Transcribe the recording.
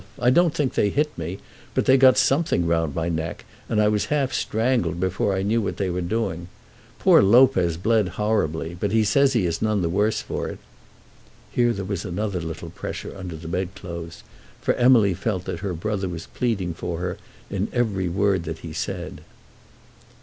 I don't think they hit me, but they got something round my neck, and I was half strangled before I knew what they were doing. Poor Lopez bled horribly, but he says he is none the worse for it." Here there was another little pressure under the bed clothes; for Emily felt that her brother was pleading for her in every word that he said.